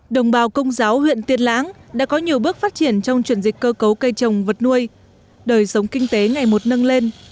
đồng bào công giáo huyện tiên lãng đã có nhiều bước phát triển trong chuyển dịch cơ cấu cây trồng vật nuôi đời sống kinh tế ngày một nâng lên